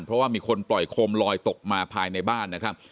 เพราะว่ามีคนปล่อยโคมลอยตกมาภายในบ้านนะครับ